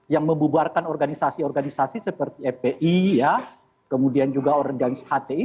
yang membubarkan organisasi organisasi seperti fpi kemudian juga organisasi hti